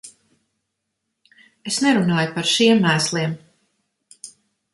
Es nerunāju par šiem mēsliem.